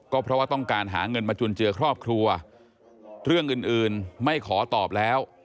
ก็เพราะว่าต้องการหาเงินมาจุนเจือครอบครัวเรื่องอื่นอื่นไม่ขอตอบแล้ว